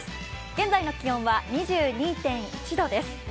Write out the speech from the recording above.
現在の気温は２１．１度です。